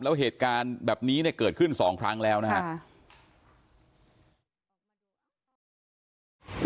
แล้วเหตุการณ์แบบนี้เนี่ยเกิดขึ้น๒ครั้งแล้วนะครับ